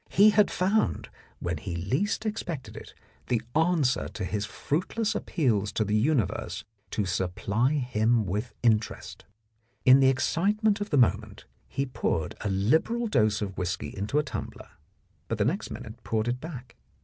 He had found, when he least expected it, the answer to his fruitless appeals to the universe to supply him with interest. In the excitement of the moment he poured a liberal dose of whisky into a tumbler, but next minute poured it back.